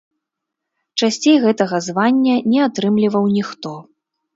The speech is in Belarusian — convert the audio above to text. Часцей гэтага звання не атрымліваў ніхто.